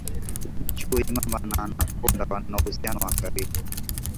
chui mamba na anakonda wana uhusiano wa karibu